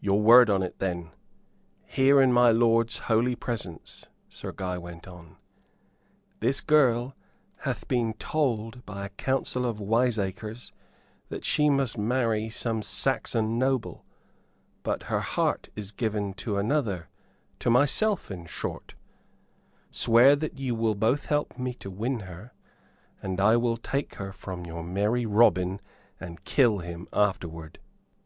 "Your word on it, then here in my lord's holy presence," Sir Guy went on. "This girl hath been told by a council of wiseacres that she must marry some Saxon noble. But her heart is given to another to myself, in short. Swear that you both will help me to win her, and I will take her from your merry Robin and kill him afterward."